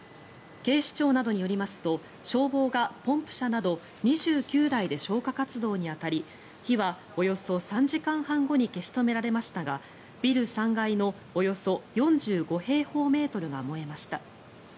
警視庁などによりますと消防がポンプ車など２９台で消火活動に当たり火はおよそ３時間半後に消し止められましたがビル３階のおよそ４５平方メートルが燃えました。